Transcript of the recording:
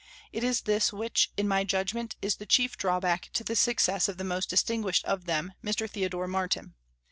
It is this which, in my judgment, is the chief drawback to the success of the most distinguished of them, Mr. Theodore Martin.